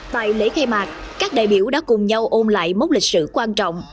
tại lễ khai mạc các đại biểu đã cùng nhau ôm lại mốc lịch sử quan trọng